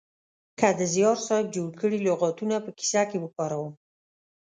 که د زیار صاحب جوړ کړي لغاتونه په کیسه کې وکاروم